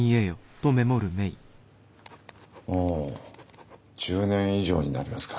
もう１０年以上になりますか。